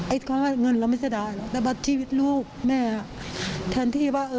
ไอ้คนว่าเงินเราไม่ใช่ได้หรอกแต่ว่าชีวิตลูกแม่แทนที่ว่าเออ